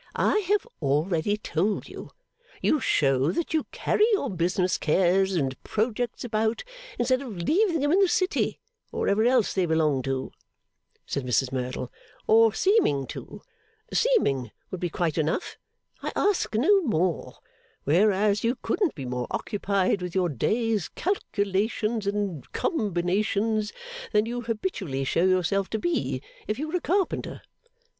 'I have already told you. You show that you carry your business cares an projects about, instead of leaving them in the City, or wherever else they belong to,' said Mrs Merdle. 'Or seeming to. Seeming would be quite enough: I ask no more. Whereas you couldn't be more occupied with your day's calculations and combinations than you habitually show yourself to be, if you were a carpenter.